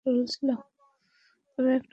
তবে, একটা কথা জানিয়ে রাখি।